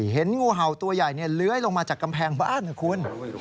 เห็นงูเห่าตัวใหญ่เลื้อยลงมาจากกำแพงบ้านนะคุณ